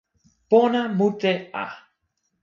pona mute a!